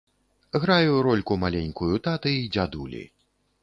Граю рольку маленькую таты і дзядулі.